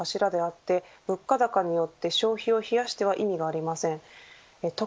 中でも消費こそ内需の柱であって、物価高によって消費を冷やしては意味がありません。